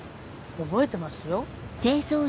覚えてますよ。